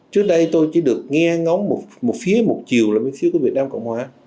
trước đây tôi chỉ được nghe ngóng một phía một chiều là miễn phí của việt nam cộng hòa